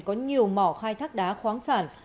có nhiều mỏ khai thác đá khoáng sản